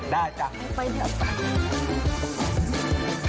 ได้จ้ะไปเถอะไป